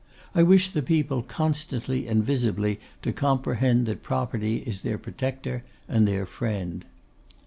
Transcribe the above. I wish the people constantly and visibly to comprehend that Property is their protector and their friend.